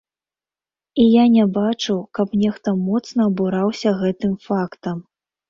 І я не бачыў, каб нехта моцна абураўся гэтым фактам!